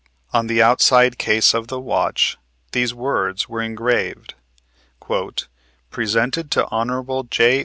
On the outside case of the watch these words were engraved: "Presented to Hon. J.